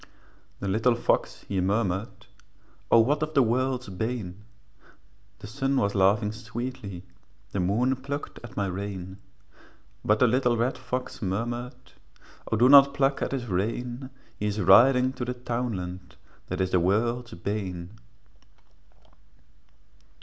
The little fox he murmured, 'O what is the world's bane?' The sun was laughing sweetly, The moon plucked at my rein; But the little red fox murmured, 'O do not pluck at his rein, He is riding to the townland That is the world's bane.'